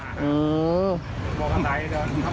มองกะไทยก็